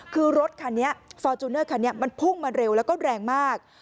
คือรถคันนี้ฟอร์จูเนอร์คันนี้มันพุ่งมาเร็วแล้วก็แรงมาก